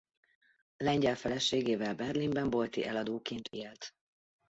Lengyel feleségével Berlinben bolti eladóként élt.